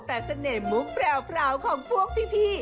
แต่เสน่ห์มุกแปรวของพวกพี่